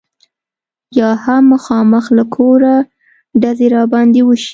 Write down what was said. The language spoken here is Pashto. یا هم مخامخ له کوره ډزې را باندې وشي.